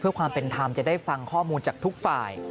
เพื่อความเป็นธรรมจะได้ฟังข้อมูลจากทุกฝ่าย